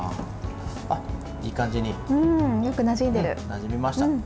いい感じになじみました。